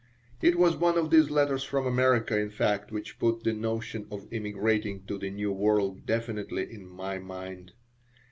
It was one of these letters from America, in fact, which put the notion of emigrating to the New World definitely in my mind.